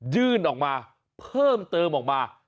ยื่นออกมาเพิ่มเติมออกมา